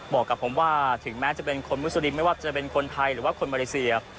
บอกกับผมว่าถึงแม้จะเป็นคนมุสลิมไม่ว่าจะเป็นคนไทยหรือว่าคนมาเลเซีย